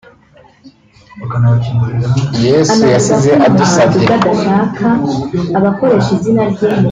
Yesu yasize adusabye